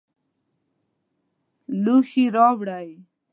لوښي راوړئ